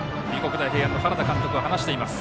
大平安の原田監督は話しています。